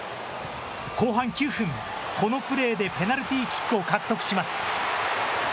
後半９分、このプレーでペナルティーキックを獲得します。